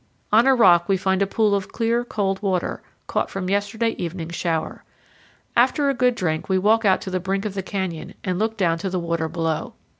On a rock we find a pool of clear, cold water, caught from yesterday evening's shower. After a good drink we walk out to the brink of the canyon and look down to the water below.